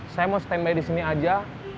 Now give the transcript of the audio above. saya mau stand by di sini aja